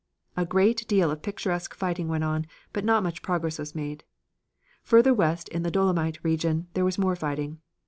A great deal of picturesque fighting went on, but not much progress was made. Further west in the Dolomite region there was more fighting.